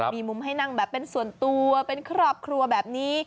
มีมุมให้นั่งแบบเป็นส่วนตัวเป็นครอบครัวแบบนี้